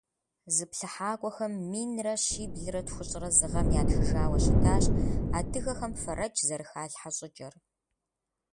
Зыплъыхьакӏуэхэм минрэ щиблэ тхущӏрэ зы гъэм ятхыжауэ щытащ адыгэхэм фэрэкӏ зэрыхалъхьэ щӏыкӏэр.